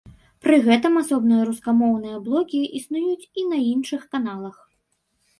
Пры гэтым асобныя рускамоўныя блокі існуюць і на іншых каналах.